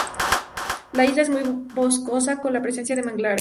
La isla es muy boscosa, con la presencia de manglares.